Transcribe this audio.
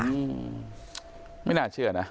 อืมไม่น่าเชื่อนะ